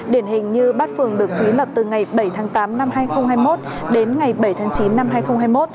điển hình như bát phường được thúy lập từ ngày bảy tháng tám năm hai nghìn hai mươi một đến ngày bảy tháng chín năm hai nghìn hai mươi một